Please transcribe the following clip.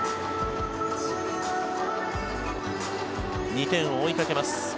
２点を追いかけます。